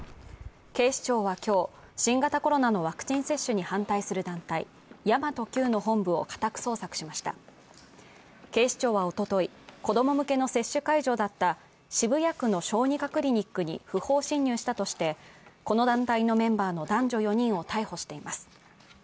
警視庁は今日、新型コロナのワンクチン接種に反対する団体、神真都Ｑの本部を家宅捜索しました警視庁はおととい、子供向けの接種会場だった渋谷区の小児科クリニックに不法侵入したとして、この団体のメンバーの男女４人を逮捕しています。